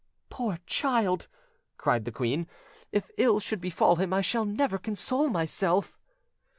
"Poor child!" cried the queen; "if ill should befall him, I shall never console myself."